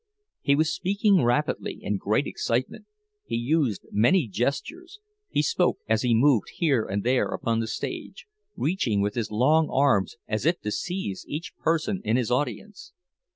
He was speaking rapidly, in great excitement; he used many gestures—as he spoke he moved here and there upon the stage, reaching with his long arms as if to seize each person in his audience.